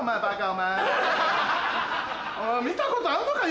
おい見たことあんのか？